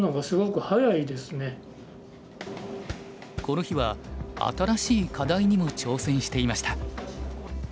この日は新しい課題にも挑戦していました。